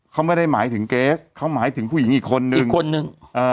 เขาไม่ได้หมายถึงเกรชเขาหมายถึงผู้หญิงอีกคนนึง